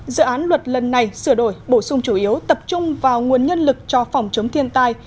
dự án luật lần này sửa đổi bổ sung chủ yếu tập trung vào nguồn nhân lực cho phòng chống thiên tai